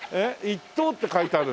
１等って書いてある。